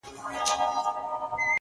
نه د سرو ملو پیمانه سته زه به چیري ځمه!